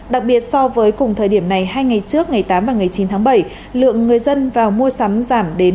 đặc biệt so với cùng thời điểm này hai ngày trước ngày tám và ngày chín tháng bảy lượng người dân vào mua sắm giảm đến năm mươi sáu mươi